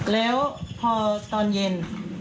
แล้วพอตอนเย็น